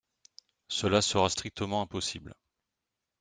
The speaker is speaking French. Cela sera strictement impossible.